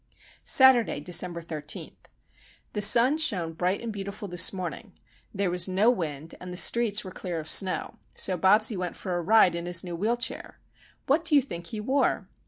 Saturday, December 13. The sun shone bright and beautiful this morning, there was no wind, and the streets were clear of snow, so Bobsie went for a ride in his new wheel chair. What do you think he wore?